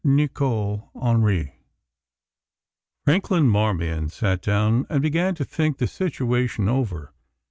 NICOL HENDRY Franklin Marmion sat down and began to think the situation over.